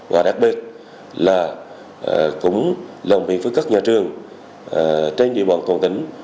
và đặc biệt là cũng lòng biện với các nhà trường trên địa bàn tổng tỉnh